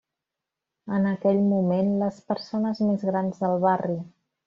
En aquell moment les persones més grans del barri.